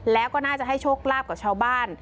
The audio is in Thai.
แล้วก็น่าจะให้โชคลาภกับชาวบ้าน